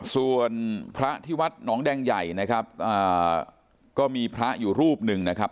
ส่วนพระที่วัดหนองแดงใหญ่นะครับก็มีพระอยู่รูปหนึ่งนะครับ